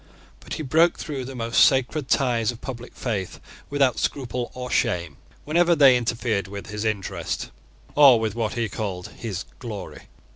But he broke through the most sacred ties of public faith without scruple or shame, whenever they interfered with his interest, or with what he called his glory.